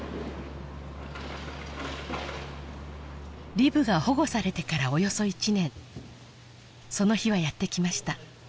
リブが保護されてからおよそ１年その日はやってきました